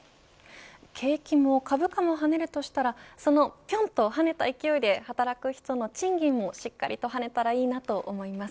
景気も株価も跳ねるとしたらそのぴょんと跳ねた勢いで働く人の賃金もしっかりと跳ねたらいいなと思います。